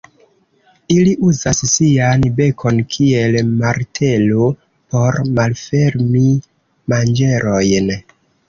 Ili uzas sian bekon kiel martelo por malfermi manĝerojn.